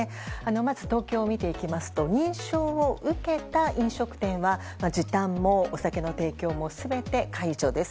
まず東京を見ていきますと認証を受けた飲食店は時短もお酒の提供も全て解除です。